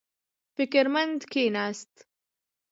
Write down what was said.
فکر مند کېناست.